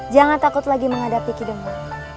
jangan takut lagi menghadapi kehidupan